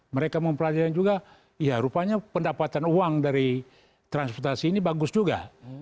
mereka mempelajari juga ya rupanya pendapatan uang dari transportasi ini bagus juga